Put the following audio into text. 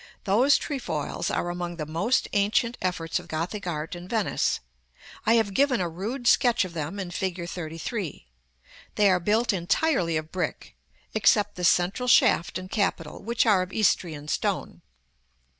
Those trefoils are among the most ancient efforts of Gothic art in Venice. I have given a rude sketch of them in Fig. XXXIII. They are built entirely of brick, except the central shaft and capital, which are of Istrian stone.